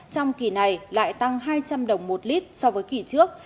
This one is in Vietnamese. trong kỳ này lại tăng hai trăm linh đồng một lít so với kỳ trước